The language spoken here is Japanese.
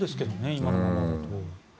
今のままだと。